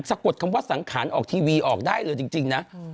กดคำว่าสังขารออกทีวีออกได้เลยจริงนะ